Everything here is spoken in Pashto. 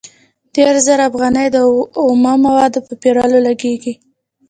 دېرش زره افغانۍ د اومه موادو په پېرلو لګېږي